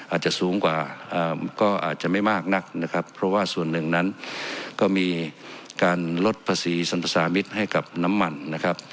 อาจจะสูงกว่าก็อาจจะไม่มากนักนะครับเพราะว่าส่วนหนึ่งนั้นก็มีการลดภาษีสรรพสามิตรให้กับน้ำมันนะครับ